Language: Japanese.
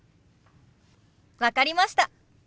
分かりました。